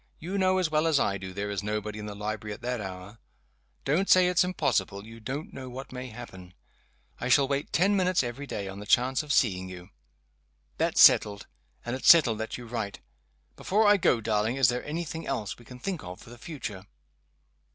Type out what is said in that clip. You know as well as I do there is nobody in the library at that hour. Don't say it's impossible you don't know what may happen. I shall wait ten minutes every day on the chance of seeing you. That's settled and it's settled that you write. Before I go, darling, is there any thing else we can think of for the future?"